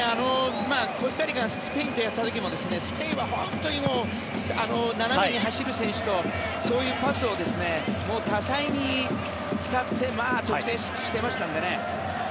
コスタリカがスペインとやった時もスペインは本当に斜めに走る選手とそういうパスを多彩に使って得点していましたので。